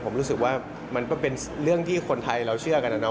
ผมรู้สึกว่ามันก็เป็นเรื่องที่คนไทยเราเชื่อกันนะเนา